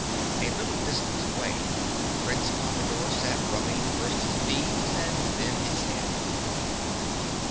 A little distance away Prince Pompadore sat rubbing first his knees and then his head.